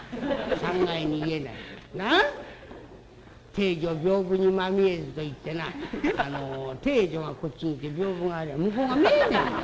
『貞女びょうぶにまみえず』といってな貞女がこっちにいて屏風がありゃあ向こうが見えねえんだ。